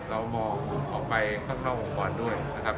เรามองออกไปข้างองค์กรด้วยนะครับ